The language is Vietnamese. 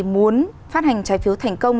muốn phát hành trái phiếu thành công